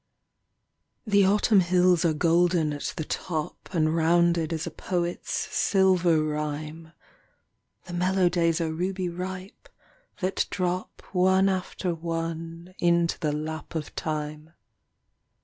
The Autumn hills are golden at the top, And rounded as a poet's silver rhyme; The mellow days are ruby ripe, that drop One after one into the lap of time.